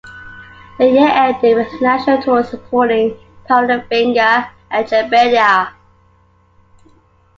The year ended with national tour supporting Powderfinger and Jebediah.